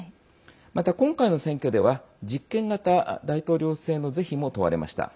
また今回の選挙では実権型大統領制の是非も問われました。